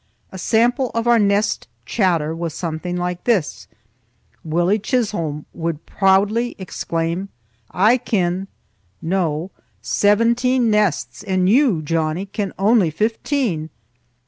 A sample of our nest chatter was something like this: Willie Chisholm would proudly exclaim—"I ken (know) seventeen nests, and you, Johnnie, ken only fifteen."